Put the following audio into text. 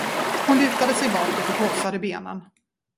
Hon lutade sig bakåt och korsade benen.